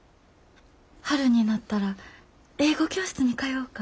春になったら英語教室に通おうか。